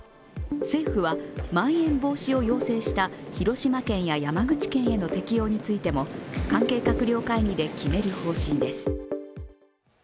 政府は、まん延防止を要請した広島県や山口県についても関係閣僚会議で決める方針です。